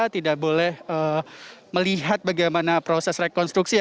tidak boleh melihat bagaimana proses rekonstruksi